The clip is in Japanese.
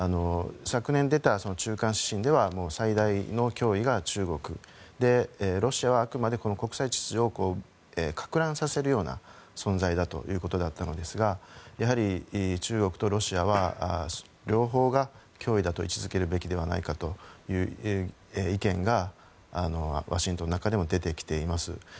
昨年出た中間指針では最大の脅威が中国でロシアはあくまで国際秩序をかく乱させるような存在だということだったんですがやはり中国とロシアは両方が脅威だと位置づけるべきではないかという意見がワシントンの中でも出てきています。